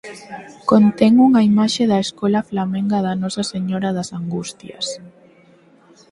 Contén unha imaxe da escola flamenga da nosa Señora das Angustias.